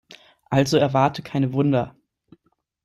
Also erwarte keine Wunder.